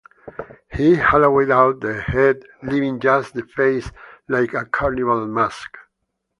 He hollowed out the head leaving just the face, like a carnival mask.